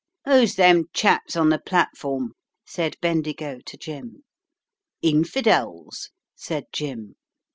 "Who's them chaps on the platform?" said Bendigo to Jim. "Infidels," said Jim.